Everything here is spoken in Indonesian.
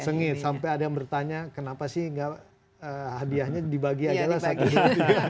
sengit sampai ada yang bertanya kenapa sih hadiahnya dibagi aja lah saya kira